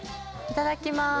いただきます。